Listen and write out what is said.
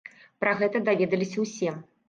Пра гэта даведаліся ўсе.